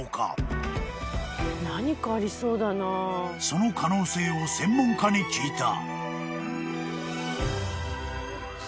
［その可能性を専門家に聞いた］